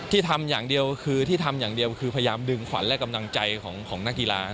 ที่ทำอย่างเดียวคือพยายามดึงขวัญและกำลังใจของนักอีลา